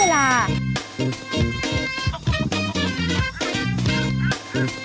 เวลา